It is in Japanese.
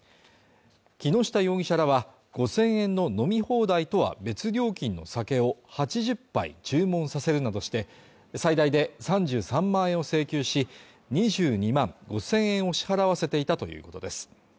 木下容疑者らは５０００円の飲み放題とは別料金の酒を８０杯注文させるなどして最大で３３万円を請求し、２２万５０００円を支払わせていたということです。